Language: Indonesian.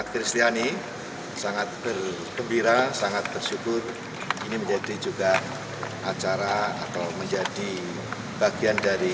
kristiani sangat bergembira sangat bersyukur ini menjadi juga acara atau menjadi bagian dari